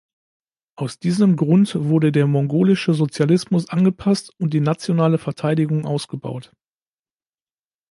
Aus diesem Grund wurde der mongolische Sozialismus angepasst, und die nationale Verteidigung ausgebaut.